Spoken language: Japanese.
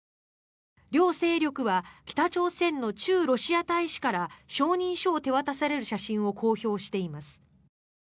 両勢力は北朝鮮の駐ロシア大使から承認書を手渡される写真を公表しています。